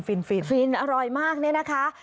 ฟินอร่อยมากเนี่ยนะคะ